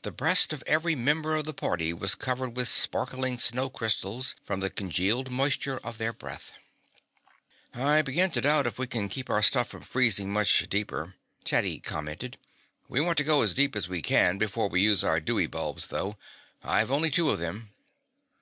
The breast of every member of the party was covered with sparkling snow crystals from the congealed moisture of their breath. "I begin to doubt if we can keep our stuff from freezing much deeper," Teddy commented. "We want to go down as deep as we can before we use our Dewey bulbs, though. I've only two of them."